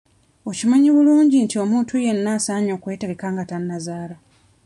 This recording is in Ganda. Okimanyi bulungi nti omuntu yenna asaanye yeetegeke nga tannazaala?